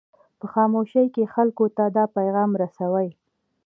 په خاموشۍ کې خلکو ته دا پیغام رسوي.